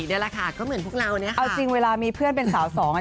ดีพอเพื่อนเป็นของพวกนั้น